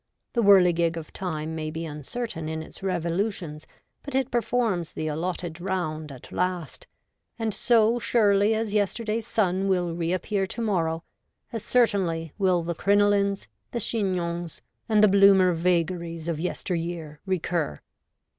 The whirligig of time may be uncertain in its revolutions, but it performs the allotted round at last ; and so surely as yester day's sun will reappear to morrow, as certainly will the crinolines, the chignons, and the Bloomer vagaries of yester year recur.